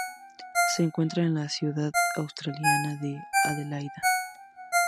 Se encuentra en la ciudad australiana de Adelaida.